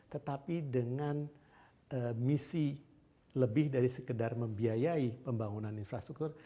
tetapi dengan misi lebih dari sekedar membiayai pembangunan infrastruktur